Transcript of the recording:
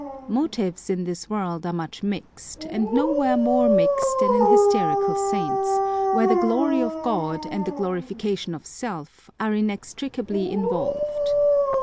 Motives in this world are much mixed, and no where more mixed than in hysterical saints, where the glory of God and the glorification of self are inextricably involved.